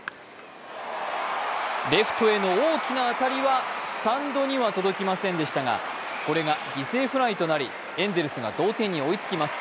レフトへの大きな当たりはスタンドには届きませんでしたがこれが犠牲フライとなりエンゼルスが同点に追いつきます。